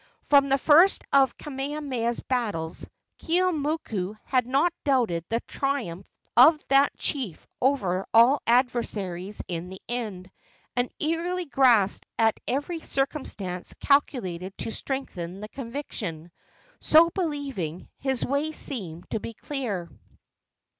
From the first of Kamehameha's battles Keeaumoku had not doubted the triumph of that chief over all adversaries in the end, and eagerly grasped at every circumstance calculated to strengthen the conviction. So believing, his way seemed to be clear.